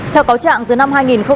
theo cáo trạng từ năm hai nghìn